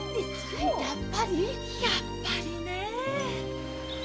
やっぱりねえ。